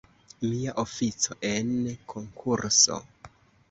Mia ofico en konkurso!